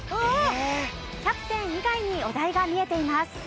キャプテン以外にお題が見えています。